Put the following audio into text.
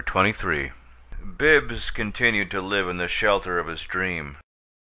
CHAPTER XXIII Bibbs continued to live in the shelter of his dream.